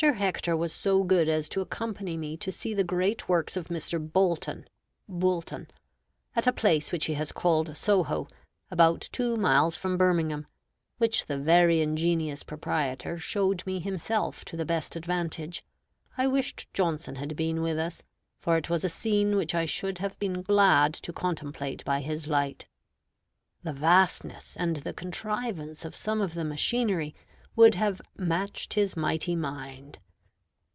Hector was so good as to accompany me to see the great works of Mr. Bolton [Boulton], at a place which he has called Soho, about two miles from Birmingham, which the very ingenious proprietor showed me himself to the best advantage. I wished Johnson had been with us; for it was a scene which I should have been glad to contemplate by his light. The vastness and the contrivance of some of the machinery would have "matched his mighty mind."